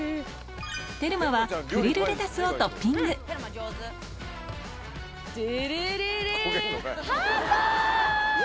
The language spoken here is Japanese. テルマはフリルレタスをトッピングテレレレ！